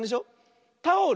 「タオル」